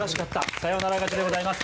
サヨナラ勝ちでございます。